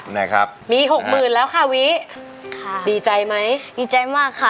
นะครับมีหกหมื่นแล้วค่ะวิค่ะดีใจไหมดีใจมากค่ะ